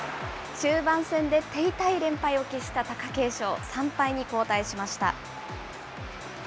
終盤戦で手痛い連敗を喫した貴景勝、３敗に後退しました。